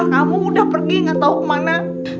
kamu udah pergi gak tau kemana